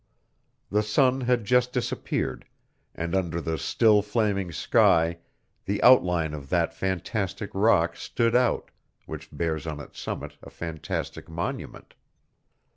The sun had just disappeared, and under the still flaming sky the outline of that fantastic rock stood out, which bears on its summit a fantastic monument.